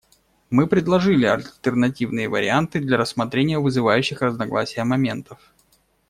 Мы предложили альтернативные варианты для рассмотрения вызывающих разногласия моментов.